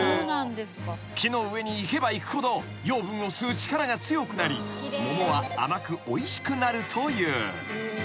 ［木の上にいけばいくほど養分を吸う力が強くなり桃は甘くおいしくなるという］